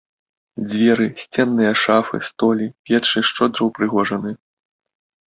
Дзверы, сценныя шафы, столі, печы шчодра ўпрыгожаны.